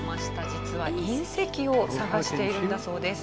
実は隕石を探しているんだそうです。